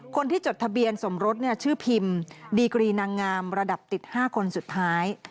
คนที่จดทะเบียนสมรสชื่อพิมดีกรีนางงามระดับติด๕คนสุดท้าย